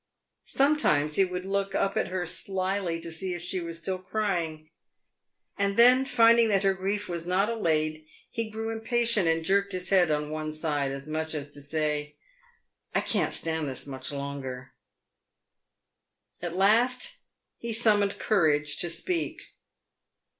Sometimes he would look up at her slyly to see if she were still crying, and then finding that her grief was not allayed, he grew im patient and jerked his head on one side, as much as to say, " I can't stand this much longer." At last he summoned courage to speak.